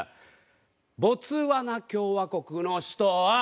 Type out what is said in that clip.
ボツワナ共和国の首都は？